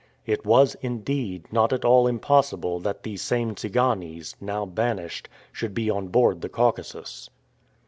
It was, indeed, not at all impossible that these same Tsiganes, now banished, should be on board the Caucasus.